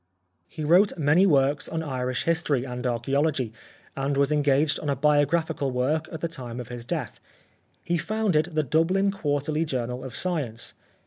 He wrote many works on Irish history and archaeology, and was engaged on a biographical work at the time of his death. He founded the Dublin Quarterly Journal of Science.